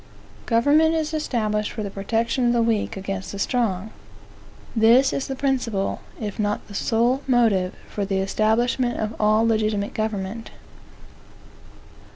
Government is established for the protection of the weak against the strong. This is the principal, if not the sole, motive for the establishment of all legitimate government.